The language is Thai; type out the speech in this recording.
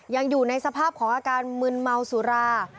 ยังอยู่ในสภาพของอาการมึนเมาสุรา